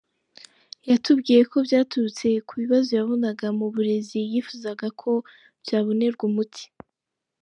Yatubwiye ko byaturutse ku bibazo yabonaga mu burezi yifuzaga ko byabonerwa umuti;.